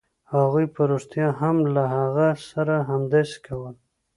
هغوی په رښتیا هم له هغه سره همداسې کول